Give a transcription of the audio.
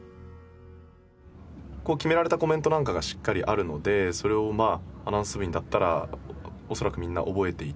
決められたコメントなんかがしっかりあるのでそれをアナウンス部員だったら恐らくみんな覚えていて。